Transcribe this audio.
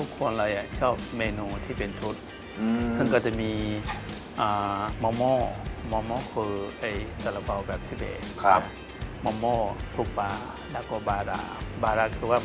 ของเรามีเมนูที่เป็นธุรกิจของทุบปลาอยู่ด้วย